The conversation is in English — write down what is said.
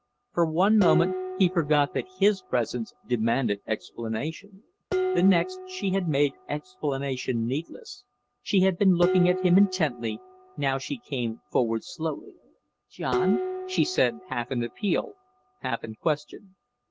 For one moment he forgot that his presence demanded explanation; the next she had made explanation needless. She had been looking at him intently; now she came forward slowly. "John?" she said, half in appeal, half in question.